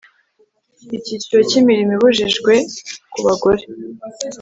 icyiciro cya imirimo ibujijwe ku bagore